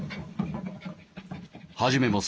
始めます。